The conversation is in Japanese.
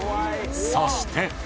そして。